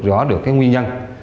rõ được cái nguyên nhân